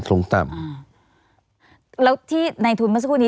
แล้วที่ในทุนเมื่อสักครู่นี้